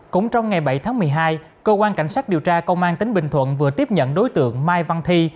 cũng trong ngày bảy tháng một mươi hai cơ quan cảnh sát điều tra công an tỉnh bình thuận vừa tiếp nhận đối tượng mai văn thi